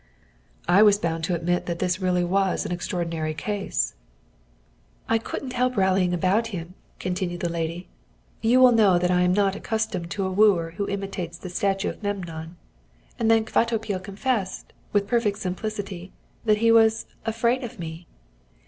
I was bound to admit that this was really an extraordinary case. "I couldn't help rallying him about it," continued the lady; "you know that I am not accustomed to a wooer who imitates the statue of Memnon; and then Kvatopil confessed, with perfect simplicity, that he was afraid of me.